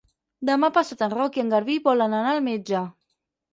Demà passat en Roc i en Garbí volen anar al metge.